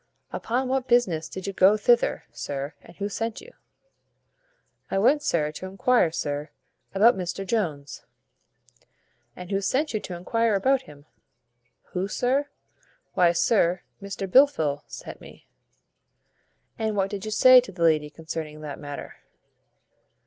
"Upon what business did you go thither, sir; and who sent you?" "I went, sir, to enquire, sir, about Mr Jones." "And who sent you to enquire about him?" "Who, sir? why, sir, Mr Blifil sent me." "And what did you say to the lady concerning that matter?"